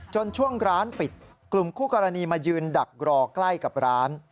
ช่วงร้านปิดกลุ่มคู่กรณีมายืนดักรอใกล้กับร้าน